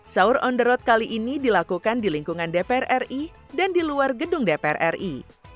sahur on the road kali ini dilakukan di lingkungan dpr ri dan di luar gedung dpr ri